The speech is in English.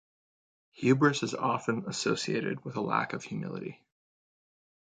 Hubris is often associated with a lack of humility.